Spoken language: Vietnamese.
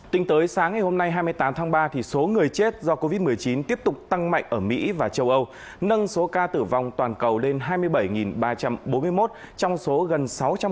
tính tới sáng ngày hôm nay hai mươi tám tháng ba số người chết do covid một mươi chín tiếp tục tăng mạnh ở mỹ và châu âu nâng số ca tử vong toàn cầu lên hai mươi bảy ba trăm bốn mươi một trong số gần sáu trăm linh ca